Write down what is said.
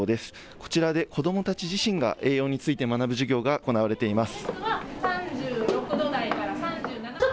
こちらで子どもたち自身が栄養について学ぶ授業が行われています。